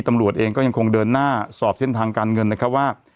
ตำรวจเองก็ยังคงเดินหน้าสอบเส้นทางการเงินนะครับว่า